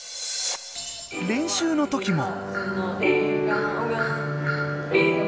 練習の時も。